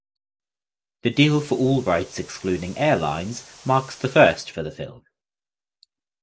The deal for all rights excluding airlines marks the first for the film.